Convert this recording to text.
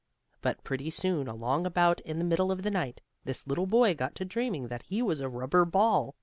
But pretty soon, along about in the middle of the night, this little boy got to dreaming that he was a rubber ball.